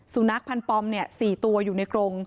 สุนัขพันธ์ปอม๔ตัวอยู่ในกรง